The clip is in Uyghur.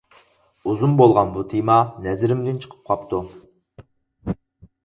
ئۇزۇن بولغان، بۇ تېما نەزىرىمدىن چىقىپ قاپتۇ.